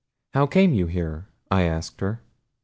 "How came you here?" I asked her.